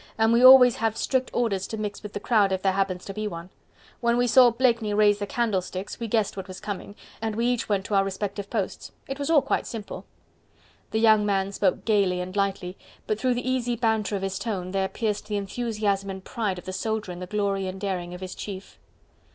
and we always have strict orders to mix with the crowd if there happens to be one. When we saw Blakeney raise the candlesticks we guessed what was coming, and we each went to our respective posts. It was all quite simple." The young man spoke gaily and lightly, but through the easy banter of his tone, there pierced the enthusiasm and pride of the soldier in the glory and daring of his chief.